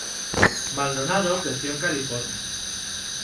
Maldonado creció en California.